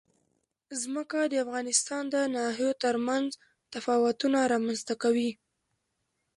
ځمکه د افغانستان د ناحیو ترمنځ تفاوتونه رامنځ ته کوي.